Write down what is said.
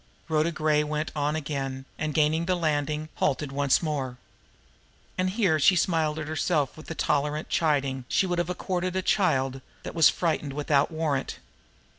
Rhoda Gray went on again, and gaining the landing, halted once more. And here she smiled at herself with the tolerant chiding she would have accorded a child that was frightened without warrant.